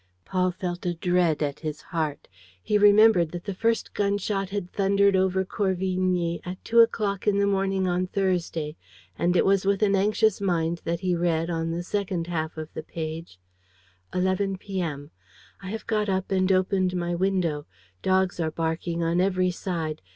Paul felt a dread at his heart. He remembered that the first gunshot had thundered over Corvigny at two o'clock in the morning on Thursday and it was with an anxious mind that he read, on the second half of the page: "11 p. m. "I have got up and opened my window. Dogs are barking on every side.